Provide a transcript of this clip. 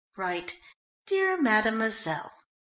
"Write, 'Dear Mademoiselle'."